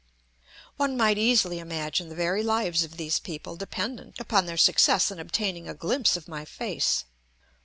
One might easily imagine the very lives of these people dependent upon their success in obtaining a glimpse of my face.